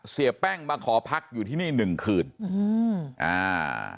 เสียแป้งมาขอพักอยู่ที่นี่หนึ่งคืนอืมอ่า